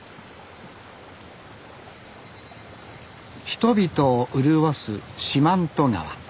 人々を潤す四万十川。